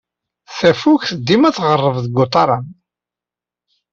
Tafukt dima tɣerreb deg utaram.